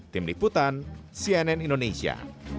tim liputan cnn indonesia